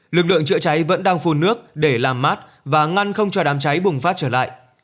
lực lượng chữa cháy vẫn đang phun nước để làm mát và ngăn không cho đám cháy bùng phát trở lại